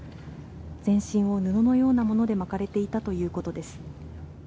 全身を布のようなもので巻かれていたということです。